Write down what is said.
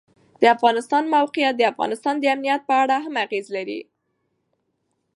د افغانستان د موقعیت د افغانستان د امنیت په اړه هم اغېز لري.